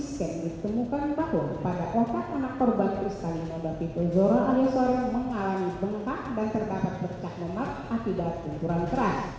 siap dengan kebutuhan maksimal mari yuk